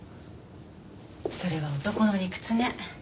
それは男の理屈ね。